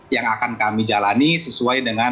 yang akan kami jalani sesuai dengan